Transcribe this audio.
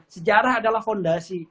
sejarah adalah fondasi